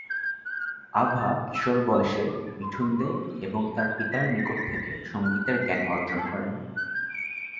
আভা কিশোর বয়সে মিঠুন দে এবং তার পিতার নিকট থেকে সঙ্গীতের জ্ঞান অর্জন করেন।